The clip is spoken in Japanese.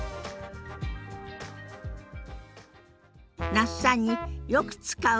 那須さんによく使う接客